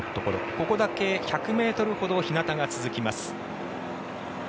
ここだけ１００ｍほど日なたが続きます。